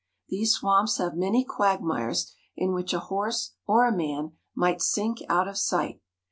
These swamps have many quagmires in which a horse or a man might sink out of sight.